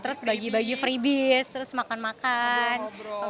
terus bagi bagi freebies terus makan makan